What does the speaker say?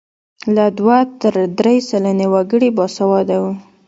له دوه تر درې سلنې وګړي باسواده وو.